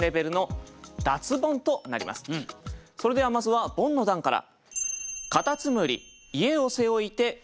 それではまずはボンの段から。